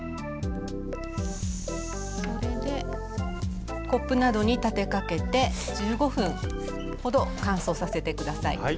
それでコップなどに立てかけて１５分ほど乾燥させて下さい。